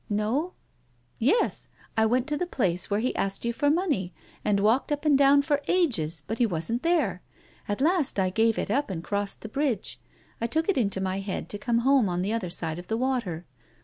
"No?" " Yes. I went to the place where he asked you for money, and walked up and down for ages. But he wasn't there. At last I gave it up and crossed the bridge. I took it into my head to come home on the other side of the water.